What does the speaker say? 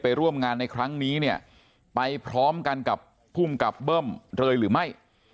ร่วมงานในครั้งนี้เนี่ยไปพร้อมกันกับภูมิกับเบิ้มเลยหรือไม่